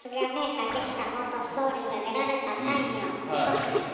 竹下元総理が出られた際には「祖父です」